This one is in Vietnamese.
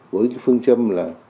với cái phương châm là